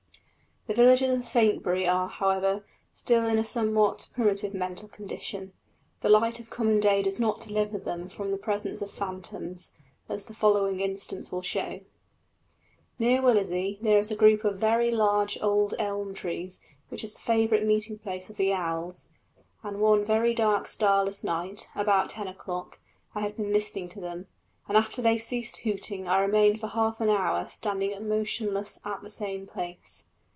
The villagers of Saintbury are, however, still in a somewhat primitive mental condition; the light of common day does not deliver them from the presence of phantoms, as the following instance will show. Near Willersey there is a group of very large old elm trees which is a favourite meeting place of the owls, and one very dark starless night, about ten o'clock, I had been listening to them, and after they ceased hooting I remained for half an hour standing motionless in the same place.